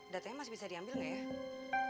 datanya masih bisa diambil nggak ya